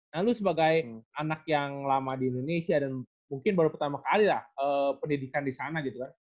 nah lu sebagai anak yang lama di indonesia dan mungkin baru pertama kalilah pendidikan di sana gitu kan